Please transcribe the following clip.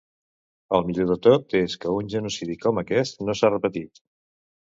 El millor de tot és que un genocidi com aquest no s'ha repetit.